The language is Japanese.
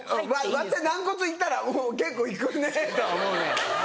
割って軟骨いったら結構いくねとは思うね。